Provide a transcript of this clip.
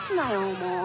もう。